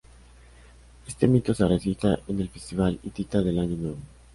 Este mito se recitaba en el Festival hitita del Año Nuevo.